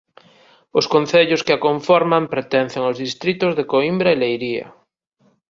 Os concellos que a conforman pertencen aos distritos de Coimbra e Leiria.